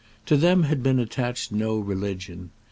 To them had been attached no religion.